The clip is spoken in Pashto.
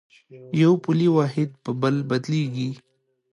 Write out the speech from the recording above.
یو پولي واحد په بل بدلېږي.